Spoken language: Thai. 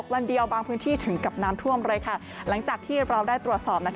วันเดียวบางพื้นที่ถึงกับน้ำท่วมเลยค่ะหลังจากที่เราได้ตรวจสอบ